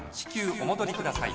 おもどりください」。